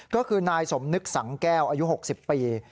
ก็คือนายสมนึกสังแก้วอายุ๖๐ปี